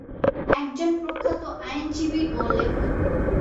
একজন প্রখ্যাত আইনজীবী ও লেখক।